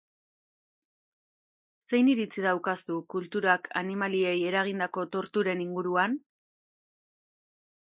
Zein iritzi daukazu kulturak animaliei eragindako torturen inguruan?